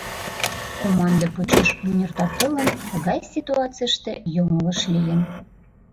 Команде почеш муньыртатылын, тыглай ситуацийыште йоҥылыш лийын.